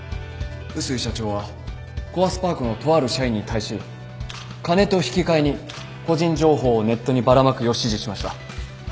碓井社長はコアスパークのとある社員に対し金と引き換えに個人情報をネットにばらまくよう指示しました。